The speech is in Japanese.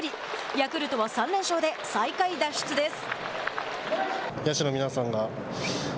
ヤクルトは３連勝で最下位脱出です。